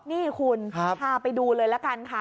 นี่คุณพาไปดูเลยละกันค่ะ